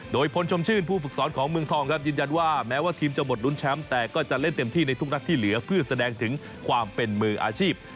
โดยพลชมชื่นผู้ฝึกสอนของเมืองทองครับยืนยันว่าแม้ว่าทีมจะหมดลุ้นแชมป์แต่ก็จะเล่นเต็มที่ในทุกนัดที่เหลือเพื่อแสดงถึงความเป็นมืออาชีพ